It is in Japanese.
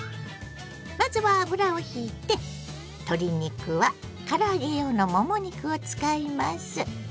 まずは油をひいて鶏肉はから揚げ用のもも肉を使います。